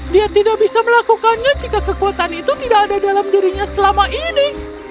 dia tidak bisa melakukannya jika kekuatan itu tidak ada dalam dirinya selama ini